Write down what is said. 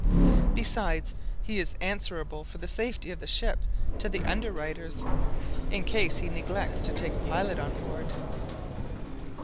Besides, he is answerable for the safety of the ship to the underwriters, in case he neglects to take a pilot on board.